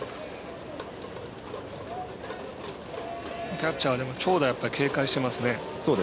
キャッチャーはやっぱり長打を警戒してますね。